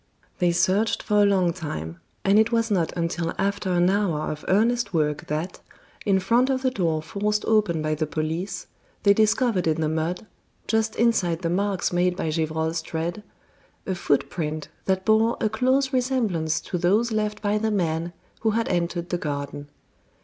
They searched for a long time, and it was not until after an hour of earnest work that, in front of the door forced open by the police, they discovered in the mud, just inside the marks made by Gevrol's tread, a footprint that bore a close resemblance to those left by the man who had entered the garden.